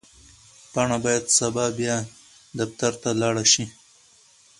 پاڼه باید سبا بیا دفتر ته لاړه شي.